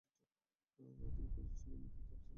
তিনি কুরাইশদের মধ্যে তার নেতৃত্বের অবস্থান হারান।